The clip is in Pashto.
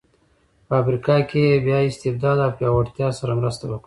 په افریقا کې یې بیا استبداد او پیاوړتیا سره مرسته وکړه.